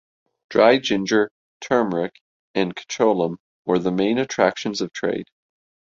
Dry Ginger, Turmeric and Kacholam were the main attractions of trade.